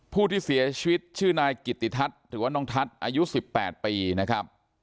ผู้ที่เสียชีวิตชื่อนายกิติทัศน์หรือว่าน้องทัศน์อายุ๑๘ปีนะครับ